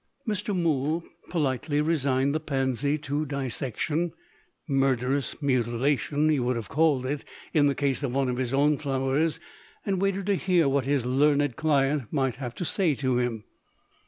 Mr. Mool politely resigned the Pansy to dissection (murderous mutilation, he would have called it, in the case of one of his own flowers), and waited to hear what his learned client might have to say to him.